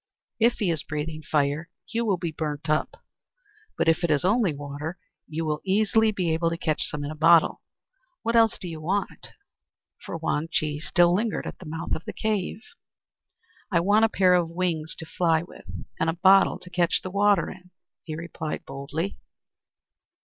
If he is breathing fire, you will be burnt up, but if it is only water, you will easily be able to catch some in a bottle. What else do you want?" For Wang Chih still lingered at the mouth of the cave. "I want a pair of wings to fly with, and a bottle to catch the water in," he replied boldly.